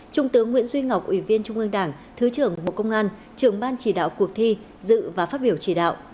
trung tướng nguyễn duy ngọc ủy viên trung ương đảng thứ trưởng bộ công an trưởng ban chỉ đạo cuộc thi dự và phát biểu chỉ đạo